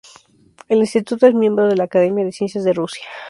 El instituto es miembro de la Academia de Ciencias de Rusia.